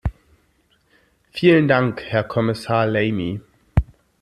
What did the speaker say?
Vielen Dank, Herr Kommissar Lamy.